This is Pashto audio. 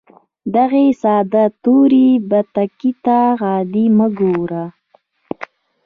دغې ساده تورې بتکې ته عادي مه ګوره